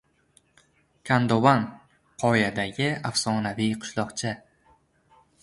Kandovan – qoyadagi afsonaviy qishloqcha